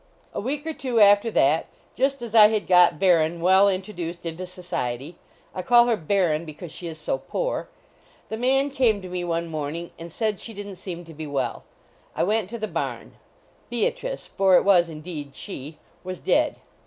A week or two after that, just as I had got Baron well introduced into society I call her Baron because she is so poor the man came to me one morning and said slu didn t seem to be well. I went to the barn. Beatrice for it was indeed she was dead.